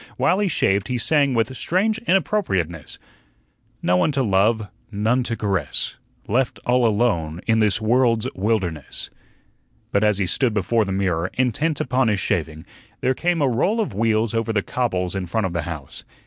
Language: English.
While he shaved he sang with strange inappropriateness: "No one to love, none to Caress, Left all alone in this world's wilderness." But as he stood before the mirror, intent upon his shaving, there came a roll of wheels over the cobbles in front of the house.